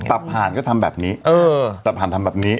ตับผ่านก็ทำแบบนี้ตับผ่านทำแบบนี้